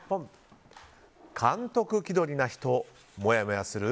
監督気取りな人もやもやする？